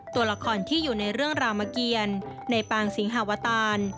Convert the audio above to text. ตัวละครที่อยู่ในเรื่องรามเกียรในปางสิงหาวตาน